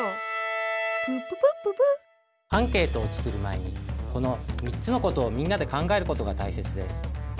プププッププッアンケートを作る前にこの３つのことをみんなで考えることがたいせつです。